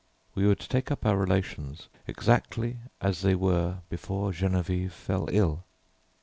We would take up our relations exactly as they were before Geneviève fell ill.